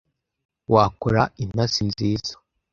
Wakora intasi nziza.